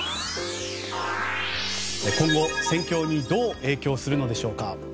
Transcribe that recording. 今後、戦況にどう影響するのでしょうか。